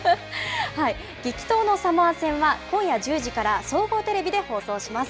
激闘のサモア戦は、今夜１０時から総合テレビで放送します。